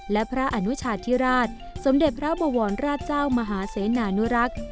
และพระอนุชาธิราชสมเด็จพระบวรราชเจ้ามหาเสนานุรักษ์